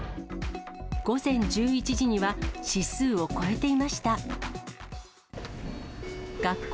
午前１１時には、指数を超えていました。